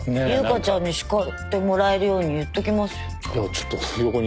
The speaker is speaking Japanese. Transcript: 優香ちゃんに叱ってもらえるように言っときますよ。